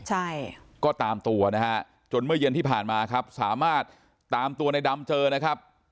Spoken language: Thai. ใช่ก็ตามตัวนะฮะจนเมื่อเย็นที่ผ่านมาครับสามารถตามตัวในดำเจอนะครับ